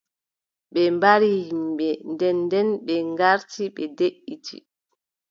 Ɓe mbari yimɓe. Nden, nde ɓen garti ɓe deʼiti.